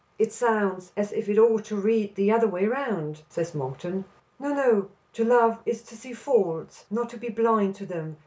"It sounds as if it ought to read the other way round," says Monkton. "No, no. To love is to see faults, not to be blind to them.